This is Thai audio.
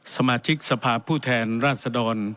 สมาชิกสภาพผู้แทนราชดร